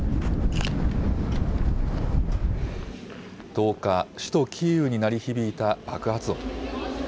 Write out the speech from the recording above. １０日、首都キーウに鳴り響いた爆発音。